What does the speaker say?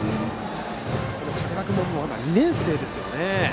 竹田君、まだ２年生ですよね。